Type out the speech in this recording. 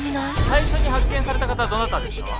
最初に発見された方はどなたですか？